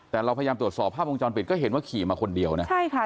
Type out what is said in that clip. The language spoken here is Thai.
แต่เราพยายามตรวจสอบภาพวงจรปิดก็เห็นว่าขี่มาคนเดียวนะใช่ค่ะ